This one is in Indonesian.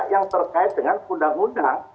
yang terkait dengan undang undang